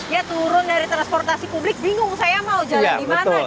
ya turun dari transportasi publik bingung saya mau jalan di mana gitu ya